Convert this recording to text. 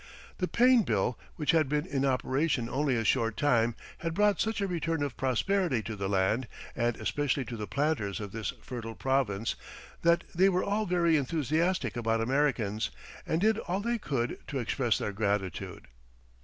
The Payne bill, which had been in operation only a short time, had brought such a return of prosperity to the land, and especially to the planters of this fertile province, that they were all very enthusiastic about Americans, and did all they could to express their gratitude.